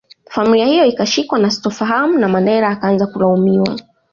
Familia hiyo ikashikwa na sintofahamu na Mandela akaanza kulaumiwa